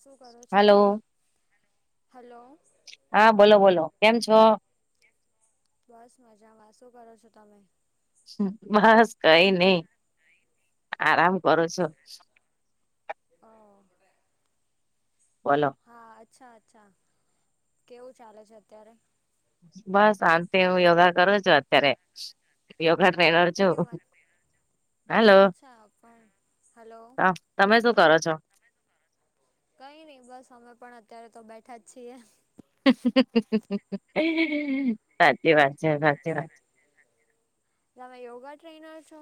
શું કરો છો? Hello hello. હા બોલો બોલો કેમ છો? બસ મજામાં, શું કરો છો તમે? બસ કઈ નઈ આરામ કરુ છું, હ બોલો હા અચ્છા અચ્છા કેવું ચાલે છે અત્યારે? બસ શાંતિ હું યોગા કરું છું અત્યારે યોગા [unintelligible] કેમ અત્યારે હાલો અચ્છા પણ હલો તમે શું કરો છો? કઈ નહી બસ અમે પણ અત્યારે તો બેઠા જ છીએ. [unintelligible] સાચી વાત છે સાચી વાત છે. તમે યોગા ટ્રેનર છો?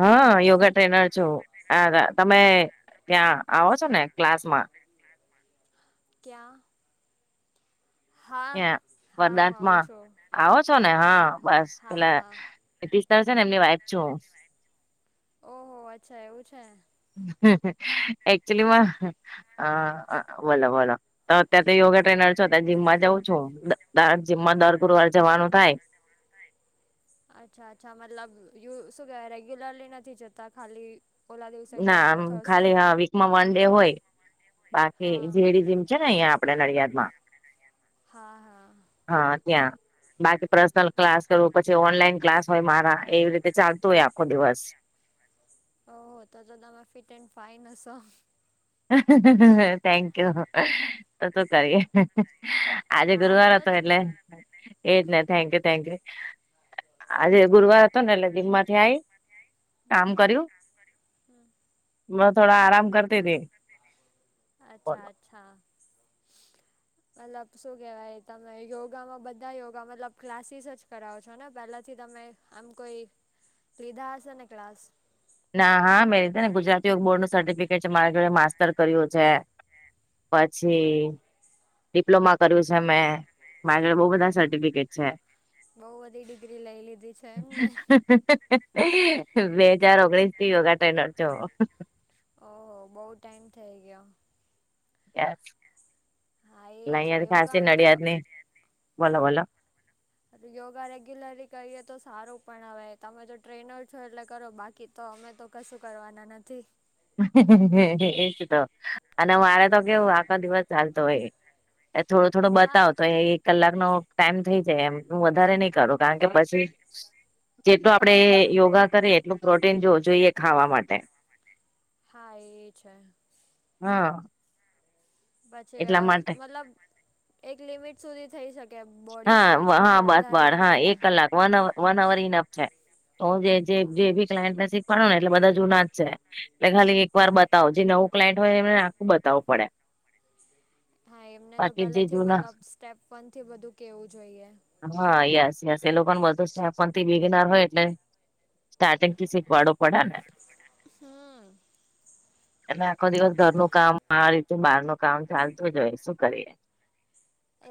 હા યોગા ટ્રેનર છું હા હા તમે ત્યાં આવો છો ને ક્લાસ માં? ક્યા? ત્યા હા હું આવું વરદાંતમાં છું આવો છો ને હા બસ હા પેલા હા નીતીશ સર છે ને એમની વાઈફ છું. ઓહો અચ્છા એવું છે. એક્ચુલી બોલો બોલો તો અત્યારે તો યોગા ટ્રેનર છો ત્યારે જીમમાં જઉં છું જીમમાં દર ગુરુવાર જવાનું થાય. અચ્છા અચ્છા મતલબ શું કહેવાય રેગ્યુલરલી નથી જતા ખાલી ઓલા દિવસે જ ના જાઓ છો આમ ખાલી હ થર્સડેના વીકમાં વન ડે હોય બાકી હા જેડી જીમ છે ને અહીયાં નડિયાદ માં હા હા ત્યાં બાકી પર્સનલ ક્લાસ કરવું પછી ઓનલાઈન ક્લાસ હોય મારા એવી રીતે ચાલતું હોય આખો દિવસ ઓ તો તો તમે ફિટ એન્ડ ફાઈન હશો થેન્કયુ તો કરીએ આજે હા એ ગુરુવાર તો હતો છે. એટલે એજ ને થેન્કયુ થેન્કયુ આજે ગુરુવાર હતો ને એટલે જીમમાંથી આવી કામ હમ કર્યું. હમ. ન થોડો આરામ કરતી તી અચ્છા અચ્છા મતલબ શું કેહેવાય તમે યોગામાં બધા યોગા મતલબ ક્લાસીસ જ કરાવો છો ને પહેલાથી તમે આમ કોઈ કીધા હશે ને ક્લાસ ના હા મેં ને ગુજરાત યોગ બોર્ડ નું સર્ટિફિકેટ છે મારા જોડે માસ્ટતર કર્યું છે. પછી ઓહ ડિપ્લોમા કર્યું છે મેં મારે બહું બધા સર્ટિફિકેટ છે. બહુ બધી ડિગ્રી લઈ લીધી છે એમને બે હજાર ઓગણીસ થી યોગા ટ્રેનર છું. ઓહ બઉ ટાઈમ થઇ ગયો. [unintelligible] હા એ છે યોગા આમ તો નડિયાદની બોલો બોલો યોગા રેગ્યુલરલી કરીએ તો સારું પણ હ તમે જો ટ્રેનર છો એટલે કરો બાકી તો અમે તો કશું કરવાના નથી. એજ તો અને મારે તો કેવું આખો દિવસ ચાલતો હોય એ થોડો થોડો હા. બતાવ તો એ કલાક નો ટાઈમ થઈ જાય એમ હું વધારે નહી કરું કારણ કે પછી જેટલો આપડે યોગા કરીએ એટલું પ્રોટીન જો જોઈએ ખાવા માટે હા એ છે. હા. પછી અ એટલા માટે મતલબ એક લિમિટ સુધી થઇ શક કે બોડી હા સ્ટ્રેચ હા પછી બસ વધારે બળ ના હા કરાય. એક કલાક one hour one hour enough છે તો હું હા જે બી ક્લાયન્ટને શીખવાડો ને એટલે બધા જુના છે એટલે ખાલી એક વાર બતાવો જે નવું ક્લાયન્ટ હોય એમને આખું બતાવું પડે. હા એમને તો બાકી જે પહેલેથી જૂના મતલબ સ્ટેપ વન થી બધું કેવું જોઈએ. હા યસ યસ એ લોકોને બધું [unintelligible] થી બીગેનાર હોય એટલે સ્ટાર્ટિંગ થી શીખવાડુ પડે ને હમ્મ. એ આખો દિવસ ઘરનું કામ આ રીતે બહાર નું કામ ચાલતું જ હોય શું કરીએ.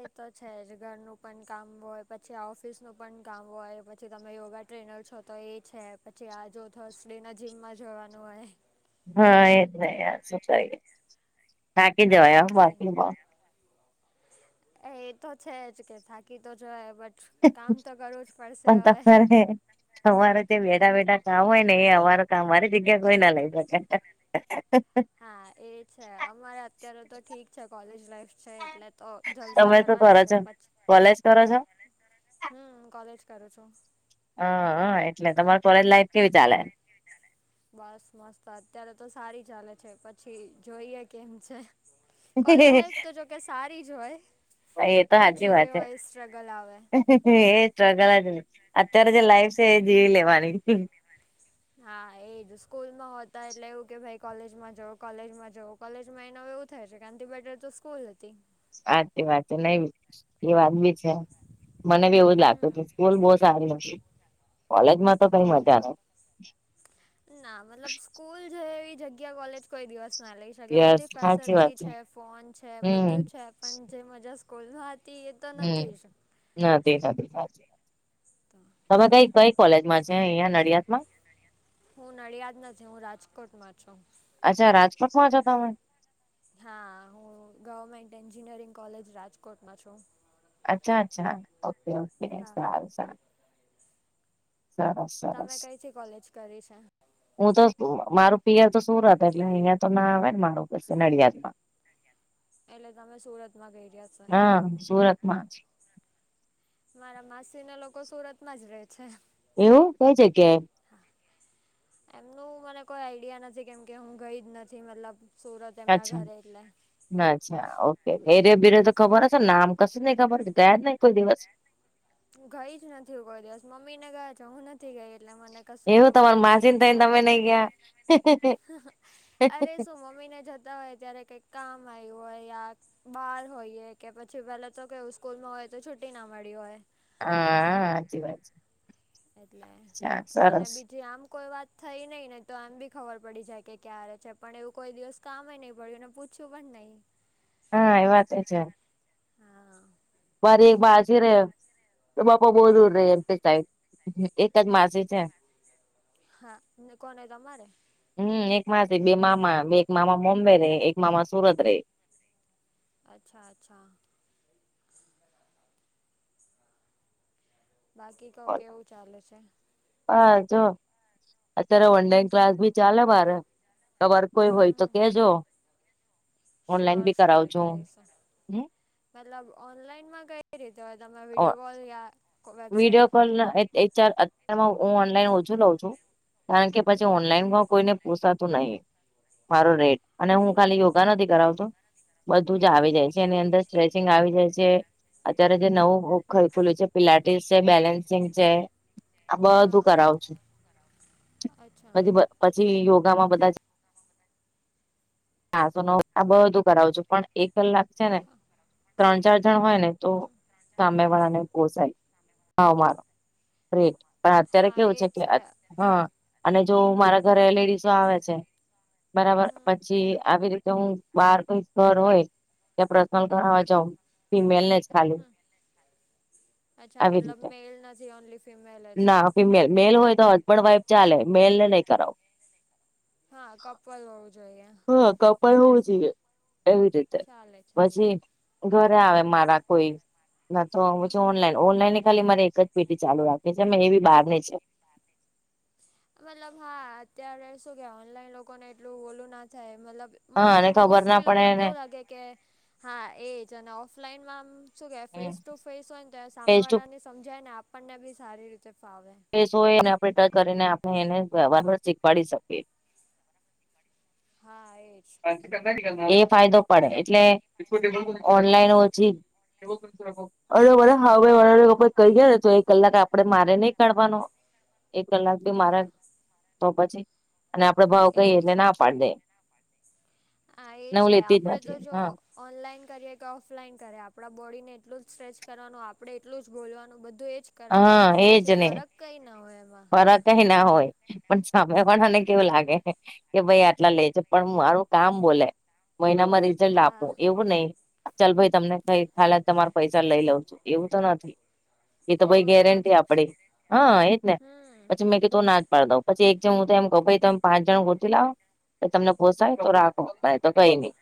એ તો છે જ ઘરનું પણ કામ હોય પછી ઓફિસનું પણ કામ હોય પછી તમે યોગા ટ્રેનર છો તો એ છે પછી આ જો થર્સ ડે ના જીમમાં જવાનું હોય. હા એ જ શું કરી થાકી કંઈ જવા હો નહીં કંઈ બાપ રે નહીં બાપ એ તો છે જ કે થાકી તો જ બટ કામ તો કરવું જ પડશે હવે. અમારે જે બેઠા બેઠા કામ હોય ને એ અમારૂ કામ મારી જગ્યા કોઈ ના લઈ શકે [inaudible] હા એ છે અમારે અત્યારે તો ઠીક છે કોલેજ લાઈફ છે એટલે તો જલસા તમે શું કરવાના કરો છે છો? પછી કોલેજ કરો છો? હમ્મ કોલેજ કરું છું હ હ એટલે તમાર કોલેજ લાાઈફ કેવી ચાલે? બસ મસ્ત અત્યારે તો સારી ચાલે છે પછી જોઈએ કેમ છે. કોલેજ લાઈફ તો જોકે સારી જ હોય એ તો સાચી પછી જે વાત છે. હોય સ્ટ્રગલ આવે. એ સ્ટ્રગલજ રે અત્યારે જે લાઈફ છે એ જીવી લેવાની હા એજ સ્કૂલમાં હોતા એટલે એવું કે ભાઈ કોલેજમાં જઉ કોલેજમાં જઉં કોલેજ માં એને હવે એવું થાય છે આનથી બેટર તો સ્કૂલ હતી. હાચી વાત છે નઈ એ વાત બી છે મને બી એવું જ લાગતું કે હમ સ્કૂલ બો સારી હતી કોલેજ માં બઉ જ ના મતલબ સ્કૂલ છે એવી જગ્યા કોલેજ કોઈ દિવસ ના લઈ શકે યસ બધી સાચી વાત ફેસલિટી છે ફોન છે બધું હમ્મ છે પણ જે મજા સ્કૂલમાં હ તી એ તો નથી જ ના તે સાચી વાત તો તમે કઈ કઈ કોલેજમાં છે અહિયાં નડિયાદ માં હું નડિયાદ નથી, હું રાજકોટમાં છું. અચ્છા રાજકોટમાં છો તમે હા હું ગવર્મેન્ટ એન્જિનિયરિંગ કોલેજ રાજકોટમાં છું. અચ્છા અચ્છા ઓકે ઓકે હા સારું સારું સરસ તમે કઈથી કોલેજ કરી છે. હું તો મારું પિયર તો સુરત એટલે અહિયાં તો ના આવે ને મારું [unintelligible] નડિયાદ માં એટલે તમે સુરત માં ગઈ રહ્યા [unintelligible] હા સુરતમાં જ. મારા માસી ના લોકો સુરતમાં જ રહે છે. એવું કઈ જગ્યાએ? એમનું મને કોઈ આઈડિયા નથી કેમ કે હું ગઈ જ નથી મતલબ સુરત એમના અચ્છા ઘરે એટલે અચ્છા ઓકે એરે બીરે તો ખબર હશે નામ કશું નઈ ખબર ગયા જ નહી કોઈ દિવસ. ગઈ જ નથી કોઈ દિવસ મમ્મી ને ગયા છે હું નથ થી ગઈ એટલે મને કશું એવું ખબર તમાર જ નઈ માસીને અને થઈને તમે નઈ ગયા અરે! શું મમ્મી ને જતા હોય ત્યારે કે કામ આયુ ઓય યાર બાર હોઈએ કે પછી પેલા તો કેવું સ્કૂલમાં હોય તો છુટી ના મળી હોય. હા આ હાચી વાત છે. એટલે અચ્છા અને સરસ બીજી આમ કોઈ વાત થઈ નઈ ની તો એમ બી ખબર પડી જાય કે ક્યારે છે પણ એવું કોઈ દિવસ કામે નઈ પડ્યું ને પૂછયું પણ નઈ. [unintelligible] હા એ વાતે છે. હા. મારી એક માછી રે એ બાપા બો દૂર રેય એમ-પી સાઈડ એક જ માસી છે. હા ને કોને તમારે? હમ એક માસી બે મામા બે એક મામા મોમ્બે રેય એક મામા સુરત રેય. અચ્છા અચ્છા. બાકી કો કેવું ચાલે છે? આ જો અત્યારે ઓનલાઈન ક્લાસ ભી ચાલે મારે. તમાર કોઈ હોય તો હમ કેજો. ઓનલાઈન શ્યોર ભી શ્યોર કરાવ છું. કહીશ મતલબ ઓનલાઈનમાં કઈ રીતે હોય તમે વિડીયો કોલ યા? વિડીયો વેબસાઇટ કોલ એ ચાર અત્યાર હું ઓનલાઈન ઓછુ લઉ. છું કારણ કે પછી હમ ઓનલાઈનમા કોઈને પોશાતો નહી મારો રેટ, અને હું ખાલી યોગા નથી કરાવતો બધું જ હમ આવી જાય છે એની અંદર સ્ટ્રેચિંગ આવી જાય છે, અત્યારે જે નવું ઉખ ખુલ્યું છે પિલાટ તે સે બેલેન્સિંગ છે. આ બધું હા કરાવ છું, અચ્છા પછી ભ પછી યોગામાં બધાજ આ તો ન આ બધું કરાવું છું. પણ એક કલાક છે ને ત્રણ-ચાર જણ હોય ને તો હમ સામે વાળા ને પોસાય. અમારો રેટ પણ અત્યારે હા કેવું એ છે કે અ હા! અને જો મારા ઘરે લેડીઝ આવે છે, બરાબર હમ પછી આવી રીતે હું બાર કોઈ ઘર હોય ત્યાં પ્રશનલ કરાવા હા જાવ ફિમેલ ને જ ખાલી હમ અચ્છા આવી મતલબ રીતે મેલ નથી ઓનલી ફિમેલ જ? ના ફિમેલ મેલ હોય તો હસબંદ વાઈફ ચાલે મેલ ને નઈ કરાવ. હા! કપલ હોવું જોઈએ. હા! કપલ હોવું જોઈએ એવી રીતે. ચાલે ચાલે પછી ઘરે આવે મારા કોઈ, ના તો પછી હમ ઓનલાઈન ઓનલાઈન ની ખાલી મારે એક જ પેટી ચાલુ રાખવી છે ને એ બી બહાર ની છે. મતલબ હા અત્યારે શું કે ઓનલાઈન લોકોને એટલું ઓલું ના થાય મતલબ મો હા અને ખબર ના મોસ્ટલી પડે લોકોને ને કેવું લાગે કે હા એ જ અને ઓફલાઈનમાં આમ શું કે ફેસ ટુ ફેસ હોય ને તો સામે ફેસ ટુ વાળા ને સમજાય ને આપણને બી સારી રીતે ફાવે. ફેશ હોય એને આપણે ફિલ્ટર કરીને આપણે એને રાબર ચીપકાવી શકીએ. હા, એજ. એ ફાયદો. પડે એટલે ઓનલાઈન ઓછી આવે તો બધા હા અવે વધારે લોકો કહી ગયા તો એ કલાક આપડે મારે નઈ કરવાનો એક કલાક ભી હા મારાજ તો પછી અને આપડે ભાવ કઈએ એજ એટલે ના પારદે. આ એ છે આપડે તો નથી જો હા ઓનલાઈન કરીએ કે ઓફલાઈન કરે, આપણા બોડીને એટલું જ સ્ટ્રેચ કરવાનું, આપણે એટલું જ બોલવાનું, બધું એ જ. કરવાનુ હા તો પછી ફરક કંઈ ના હોય એમાં. કોઈ ના હોય. પણ સામે પણ મને કેવું લાગે કે, ભાઈ, આટલા લેજે પણ મારું કામ બોલે. મહિનામાં. લ, હા આપું એવું નહીં ચાલ ભાઈ. તમને કઈ કાલે, તમારે પૈસા લઈ લઉં છું એવું તો નથી. એ તો ભાઈ, એવું ગેરંટી નથી જ આપડી હા, એ જ ને પછી હમ મેં તો ના જ પાડ દઉ પછી. એક જેમ હું તો એમ કહું, ભાઈ, તમે પાંચ જણ ગોઠી લાવો તમને પોસાય તો રાખો, નઈ તો કઈ ની.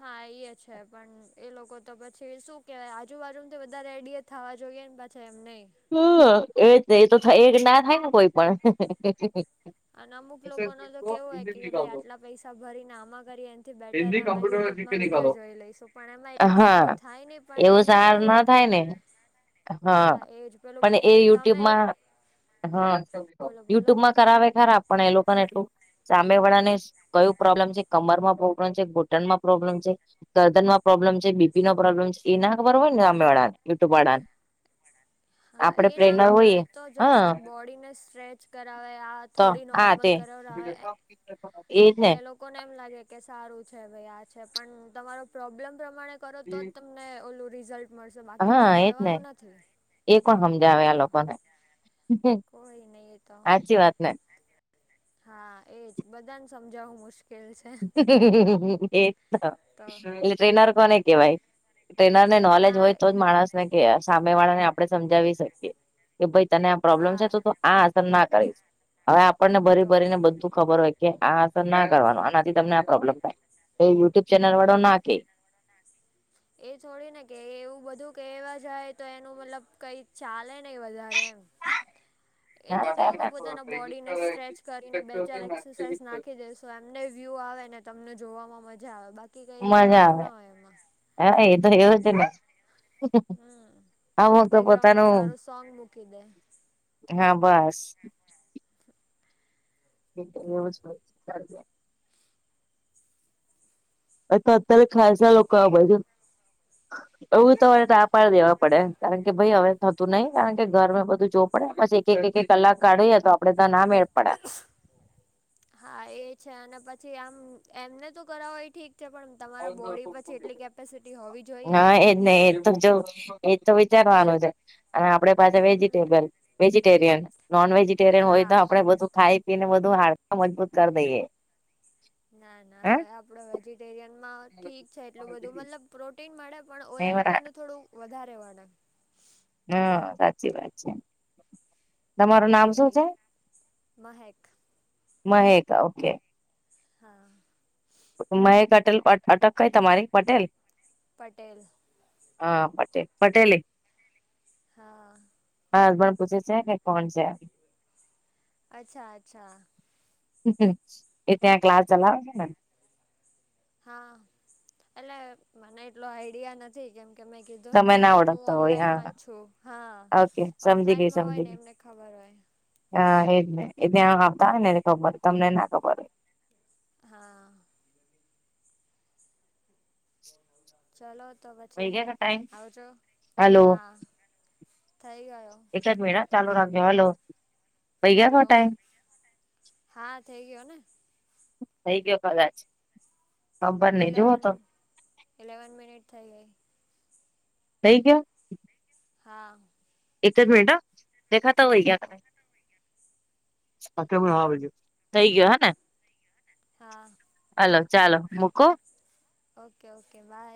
હા, એ છે. પણ એ લોકો તો પછી શું કેવાય, આજુબાજુમાં તો વધારે રડે. થવા જોઈએ ને પાછા, એમ નહીં. હમ, એ એ તો એ ના થાય ને કોઈ પણ. અને અમુક લોકો નો તો કેવો હોય કે, ભાઈ, આટલા પૈસા ભરીને આમાં કરી થી બેટરે, આમે યુટ્યુબમાં વિડીયો જોઈ લઈશું. પણ એમાં એટલું હા સારું થાય નહીં, પણ એમને સાર એવું ના હોય. કે થાય ને. હા, એજ પણ. પણ એ યુટ્યુબમાં [unintelligible] હા, બોલો બોલો યુટ્યુબમાં. કરાવે ખરા, પણ એ લોકો ને એટલું સામે વાળા ને કયું પ્રોબ્લેમ છે કમર માં બ? તેમ છે, ઘૂંટણમાં પ્રોબ્લેમ છે. ગરદનમાં પ્રોબ્લેમ છે, બીપી નો પ્રોબ્લેમ છે. એને ખબર હોય ને, અમે યુટ્યુબ વાળાને હા, આપડે એ ના પ્રેરનર ખબર હોય. હોઈએ એ તો હા જસ્ટ બોડીને સ્ટ્રેચ કરાવે આ થોડી નોર્મલ કરે આવે. [unintelligible] એ એટલે લોકોને એમ લાગે કે, સારું છે ભાઈ, આ છે. પણ તમારો પ્રોબ્લેમ પ્રમાણે કરો તો જ તમને ઓલું રિઝલ્ટ મળશે, બાકી હા કંઈ એજ ને મળવાનું નથી એ કોણ સમજાવે આ હા. લોકોને કોઈ નહીં, એ તો સાચી વાત ને હા, એજ બધાને સમજાવું મુશ્કેલ. છે એ [unintelligible] તો એ ટ્રેનર કોણ કેવાઈ? ટ્રેનર ને નોલેજ હોય હા તો જ માણસ ને કે સામે વાળા ને આપડે સમજાવી. કે ભાઈ, તને આ પ્રોબ્લેમ છે તો હા આ આસર ના કરીશ હવે. આપણને ભરી તો ભરીને બધું ખબર હોય કે, આ અસર ના કરવાનો. આનાથી તમને આ પ્રોબ્લેમ થયુ. હમ. [unintelligible] એ છોડીને કે એવું બધું કહેવા જાય તો એનું મતલબ કઈ ચાલે નહીં વધારે એમ. એ મજા તો કેવો કે, પોતાના બોડીને સ્ટ્રેચ કરીને બે-ચાર એક્સરસાઇઝ નાખી દેશે. તો એમને વ્યુ આવે ને તમને જોવામાં મજા આવે, બાકી કંઈ લેવાનું આવે ના હોય એમાં. હા, એ તો એવું છે. હમ, બેકગ્રાઉન્ડમાં સારું સોંગ મૂકી દે. હા, બસ. એટલે એવું. અ તો અત્યારે ખાસા લોકો આવે છે. એવું તોરે તો પા દેવા પડે, કારણ કે ભાઈ, હવે થતું નહીં. કારણ કે ઘર મે બધું જો પડે પછી એક-એક, એક-એક કલાક કાઢી તો આપડે તો ના મેળ પડ્યા. હા, એ છે. અને પછી આમ, એમને તો કરાવોયો ઠીક છે, પણ તમારા બોડી પછી એટલી કેપેસિટી હોવી જોઈએ ને. નહી એ તો જો એ તો વિચારવાનું છે અને આપડે પાસા વેજીટેબ વેજી ટેરિયન નોન વટેરિયન હોય તો હા આપણે બધું ખાઈ પીને બધું હાડ મજબૂત કરી દઈએ ના, ના, હા હવે આપડ વેજીિટેરિયનમાં ઠીક છે એટલું બધું, મતલબ. પ્રોટીન મળે, પણ નહી ઓલા બરા લોકોને થોડું વધારે પડે. હા, સાચી વાત છે. તમારું નામ કઈ શું નહી છે? મહેક મહેકા, ઓકે. હા મહેક અટેલ અટક કઈ તમારી પટેલ પટેલ હા પટેલ પટેલી હા હા હસબન્ડ પૂછે છે કે કોણ છે અચ્છા અચ્છા એ ત્યાં ક્લાસ ચલાવશે ને હા એટલે મને એટલો આઈડિયા નથી કેમ કે મેં કી જોન તમે કે ના હું ઓળખતા હોય ઓનલાઈન હા છું હા ઓકે સમજી ગઈ ઓફલાઈનમાં હોય સમજી ને ગઈ એમને ખબર હોય હા એજ ને એ ત્યાં આવતા હો ને ખબર તમને ના ખબર હોય હા ચલો તો વહી પછી ગયા કે ટાઈમ આવજો હલો હા થઈ ગયો એક મિનિટ હા ચાલુ રાખજો હલો વહી ગયા કો હલો ટાઈમ હા થઈ ગયો ને થઈ ગયો કદાચ ખબર નહી જુઓ ઇલેવન તો ઇલેવન મિનિટ થઇ ગઈ થઈ ગ્યો હા એક જ મિનિટ હા દેખા તા હોય ગયા [unintelligible] થઈ ગયો હ ને હા હલો ચાલો મૂકુ ઓકે ઓકે બાય